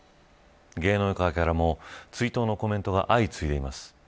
芸能界からも追悼のコメントが相次いでいます。